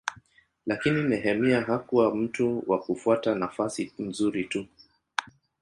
Lakini Nehemia hakuwa mtu wa kutafuta nafasi nzuri tu.